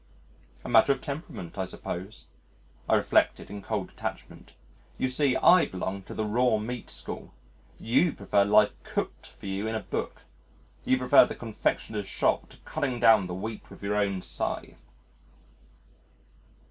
"A matter of temperament, I suppose," I reflected, in cold detachment. "You see, I belong to the raw meat school. You prefer life cooked for you in a book. You prefer the confectioner's shop to cutting down the wheat with your own scythe."